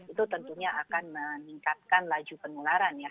itu tentunya akan meningkatkan laju penularan ya